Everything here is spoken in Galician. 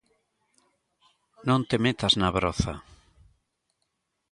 Non te metas na broza